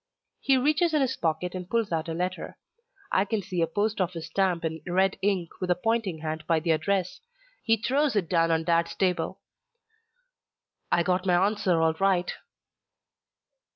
He reaches in his pocket and pulls out a letter. I can see a post office stamp in red ink with a pointing hand by the address. He throws it down on Dad's table. "I got my answer all right."